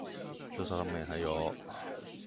這上面還有